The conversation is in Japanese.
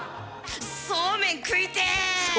そうめん食いてえ！